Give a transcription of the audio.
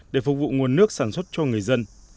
để phục vụ nguồn nước sản xuất cho người dân